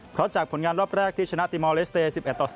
เพราะจากผลงานรอบแรกที่ชนะติมอลเลสเตย์๑๑ต่อ๒